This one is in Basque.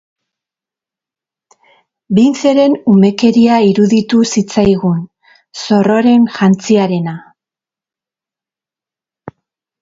Vinceren umekeria iruditu zitzaigun Zorroren jantziarena.